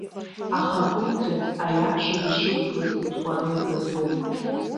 Ахақәиҭраз, аиашаз ишықәԥоз итҟәаны иргаз роуп.